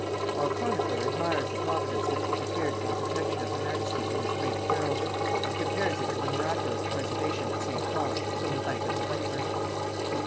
Our chronicler admires the providence which interfered for the protection of her majesty in this great peril, and compares it to the miraculous preservation of St. Paul from the bite of the viper.